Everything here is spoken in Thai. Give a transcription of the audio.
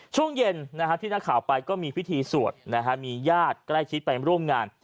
ช่วงเย็นที่นักข่าวไปก็มีพิธีสวดมีญาติใกล้ชิดไปร่วมงาน